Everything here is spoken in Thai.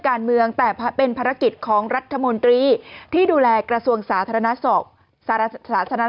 การเมืองแต่เป็นภารกิจของรัฐมนตรีที่ดูแลกระทรวงสาธารณสุขสาธารณะ